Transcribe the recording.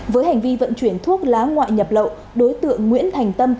với hành vi vận chuyển thuốc lá ngoại nhập lậu đối tượng nguyễn thành tâm